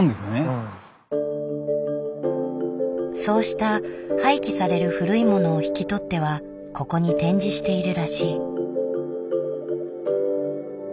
そうした廃棄される古いものを引き取ってはここに展示しているらしい。